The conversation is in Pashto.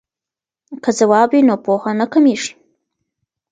که ځواب وي نو پوهه نه کمېږي.